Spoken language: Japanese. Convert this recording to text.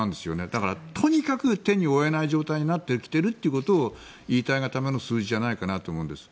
だから、とにかく手に負えない状態になってきているということを言いたいがための数字じゃないかと思うんです。